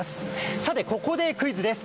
さて、ここでクイズです。